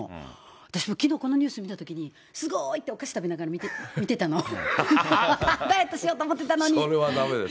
私もきのう、このニュース見たときに、すごーい！っておかし食べながら見てたの、ダイエットしようと思それはだめです。